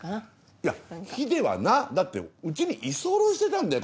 いやヒデはなだって家に居候してたんだよ？